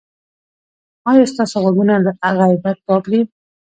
ایا ستاسو غوږونه له غیبت پاک دي؟